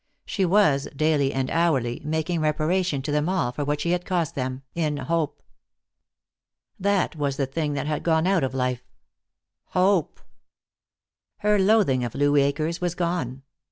She was, daily and hourly, making reparation to them all for what she had cost them, in hope. That was the thing that had gone out of life. Hope. Her loathing of Louis Akers was gone.